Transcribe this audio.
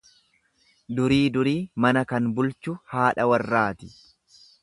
Durii durii mana kan bulchu haadha warraati.